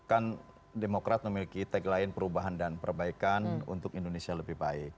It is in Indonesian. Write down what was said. kan demokrat memiliki tagline perubahan dan perbaikan untuk indonesia lebih baik